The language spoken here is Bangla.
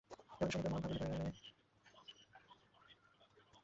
জগতের সমুদয় মহৎ ভাবেরই পরিণাম এই।